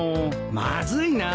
まずいな。